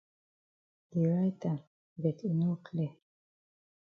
Dey write am but e no clear.